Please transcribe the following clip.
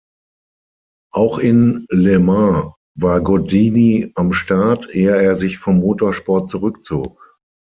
Auch in Le Mans war Gordini am Start, ehe er sich vom Motorsport zurückzog.